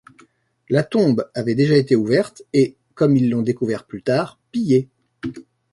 La tombe avait déjà été ouverte et, comme ils l'ont découvert plus tard, pillée.